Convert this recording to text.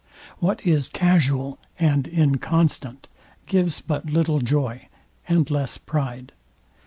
What is casual and inconstant gives but little joy, and less pride.